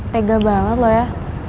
tega banget lo ya